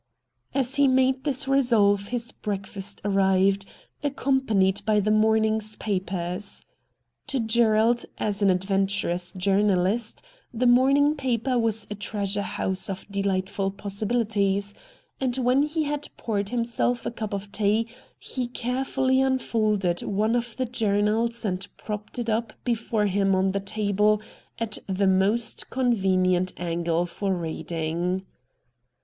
As he made this resolve his breakfast arrived, accompanied by the morning's papers. To Gerald, as an adventurous journalist, the morning paper was a treasure house of delightful possibilities, and when he had poured himself a cup of tea he carefully un folded one of the journals and propped it up before him on the table at the most convenient angle for reading.